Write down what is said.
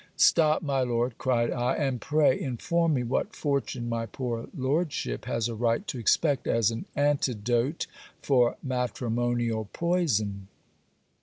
'Stop, my Lord,' cried I; 'and pray inform me what fortune my poor lordship has a right to expect as an antidote for matrimonial poison?'